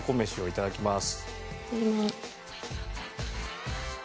いただきます。